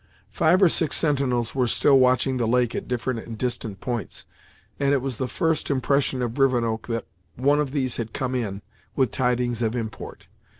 Five or six sentinels were still watching the lake at different and distant points, and it was the first impression of Rivenoak that one of these had come in, with tidings of import.